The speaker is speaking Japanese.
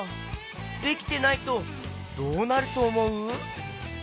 できてないとどうなるとおもう？